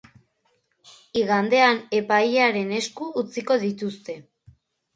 Igandean epailearen esku utziko dituzte.